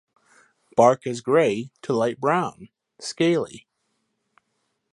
Bark is gray to light brown, scaly.